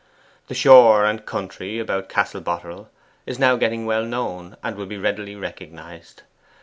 The shore and country about 'Castle Boterel' is now getting well known, and will be readily recognized.